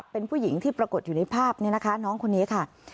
เป็นผู้หญิงที่ปรากฏอยู่ในภาพนี้นะคะน้องคนนี้ค่ะ